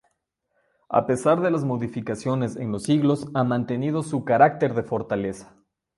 A pesar de las modificaciones en los siglos, ha mantenido su carácter de fortaleza.